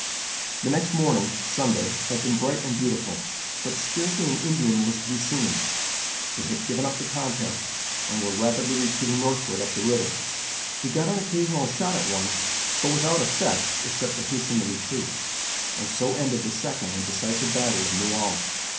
The next morning (Sunday) opened bright and beautiful, but scarcely an Indian was to be seen. They had given up the contest, and were rapidly retreating northward up the river. We got an occasional shot at one, but without effect except to hasten the retreat. And so ended the second and decisive battle of New Ulm.